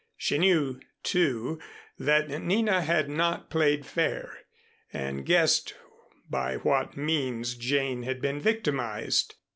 She knew, too, that Nina had not played fair, and guessed by what means Jane had been victimized.